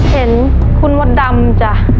เห็นคุณมดดำจ้ะ